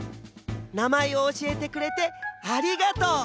なまえをおしえてくれてありがとう！